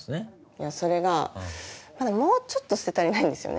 いやそれがまだもうちょっと捨て足りないんですよね。